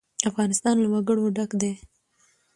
افغانستان له وګړي ډک دی.